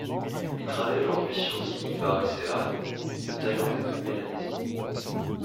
Il travaille aujourd’hui sur Zingiberaceae de Thaïlande et de Mélanésie.